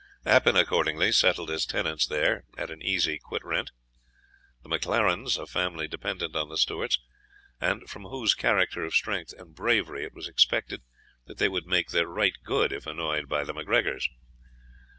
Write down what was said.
Appin, accordingly, settled as tenants there, at an easy quit rent, the MacLarens, a family dependent on the Stewarts, and from whose character for strength and bravery, it was expected that they would make their right good if annoyed by the MacGregors.